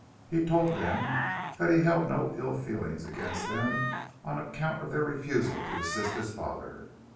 He told them that he held no ill feeling against them on account of their refusal to assist his father.